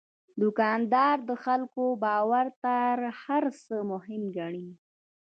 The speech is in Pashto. دوکاندار د خلکو باور تر هر څه مهم ګڼي.